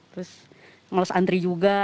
terus ngelus antri juga